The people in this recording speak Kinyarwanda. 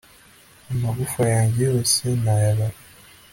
amagufwa yanjye yose nayabara